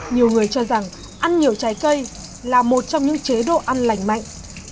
nhiều người cho rằng ăn nhiều trái cây là một trong những chế độ ăn lành mạnh